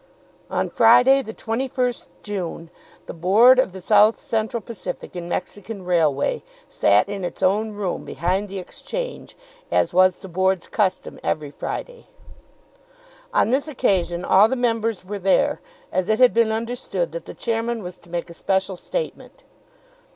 On Friday, the 21st June, the Board of the South Central Pacific and Mexican Railway sat in its own room behind the Exchange, as was the Board's custom every Friday. On this occasion all the members were there, as it had been understood that the chairman was to make a special statement.